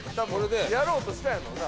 やろうとしたんやろうな。